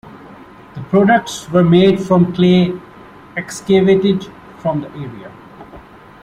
The products were made from clay excavated from the area.